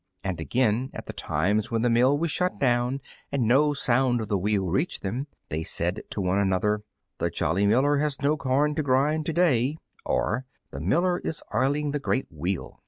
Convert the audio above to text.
And again, at the times when the mill was shut down and no sound of the wheel reached them, they said to one another, "The jolly miller has no corn to grind to day," or, "The miller is oiling the great wheel."